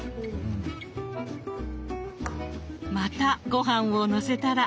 またごはんをのせたら。